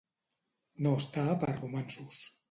No estar per romanços.